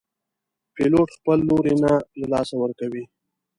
پیلوټ خپل لوری نه له لاسه ورکوي.